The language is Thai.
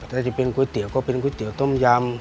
ถ้าจะเป็นก๋วยเตี๋ยวก็เป็นก๋วยเตี๋ต้มยำ